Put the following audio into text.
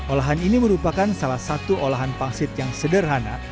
olahan ini merupakan salah satu olahan pangsit yang sederhana